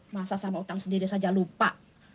masa sama utang sendiri saja lupa